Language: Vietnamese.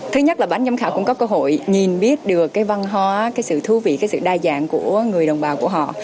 thứ nhất là bán giám khảo cũng có cơ hội nhìn biết được cái văn hóa cái sự thú vị cái sự đa dạng của người đồng bào của họ